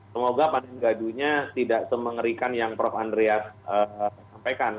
semoga panen gadunya tidak semengerikan yang prof andrias sampaikan